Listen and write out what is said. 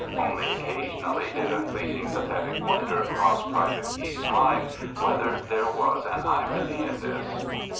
Only occasionally did a fleeting, pathetic wonder cross Private Key's mind whether there was an irony in this.